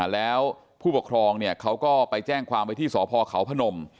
แล้วผู้ปกครองเขาก็ไปแจ้งความไว้ที่สพเขาพนม